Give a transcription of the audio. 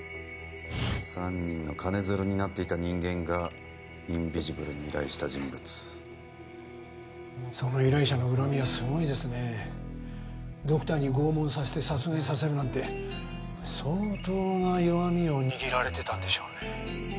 三人の金ヅルになっていた人間がインビジブルに依頼した人物その依頼者の恨みはすごいですねドクターに拷問させて殺害させるなんて相当な弱みを握られてたんでしょうね